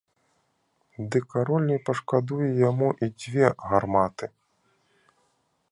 Ды кароль не пашкадуе яму і дзве гарматы!